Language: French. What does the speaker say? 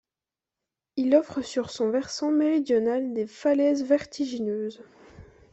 Il offre sur son versant méridional des falaises vertigineuses.